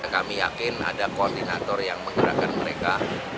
kami yakin ada koordinator yang menggerakkan mereka